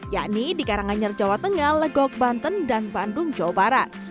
yakni di karanganyar jawa tengah legok banten dan bandung jawa barat